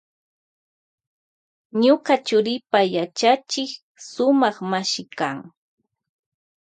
Ñuka churipa yachachik sumak mashi kan.